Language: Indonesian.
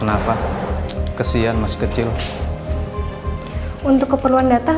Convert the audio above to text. ayo kita cari rena ke rumah